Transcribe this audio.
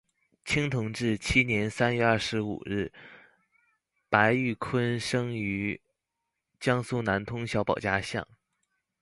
清同治七年三月二十五日白毓昆生于江苏南通小保家巷。